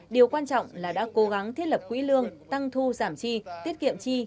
điều quan trọng là đã cố gắng thiết lập quỹ lương tăng thu giảm chi tiết kiệm chi